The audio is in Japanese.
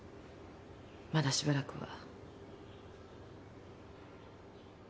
まだしばらくは。